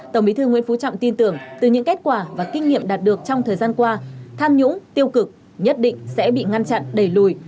tổng bí thư nguyễn phú trọng tin tưởng từ những kết quả và kinh nghiệm đạt được trong thời gian qua tham nhũng tiêu cực nhất định sẽ bị ngăn chặn đẩy lùi